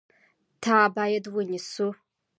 تا باید ونیسو !